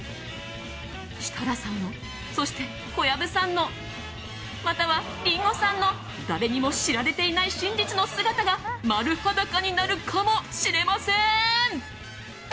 設楽さん、そして小籔さんのまたは、リンゴさんの誰にも知られていない真実の姿が丸裸になるかもしれません！